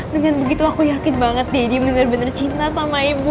dengan begitu aku yakin banget deh dia bener bener cinta sama ibu